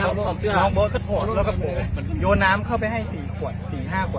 ให้คนขึ้นเยอะเยอะหยุดไฟไว้ทั้งสี่คนฉันได้ยินแล้ว